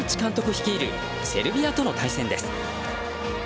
率いるセルビアとの対戦です。